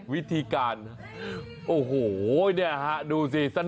วิธีการโอ้โหดูสิสนุกสนาน